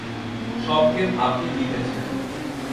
সব গেম আপনি জিতেছেন।